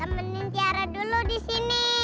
temenin tiara dulu di sini